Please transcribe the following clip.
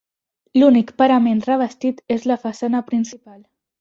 L'únic parament revestit és la façana principal.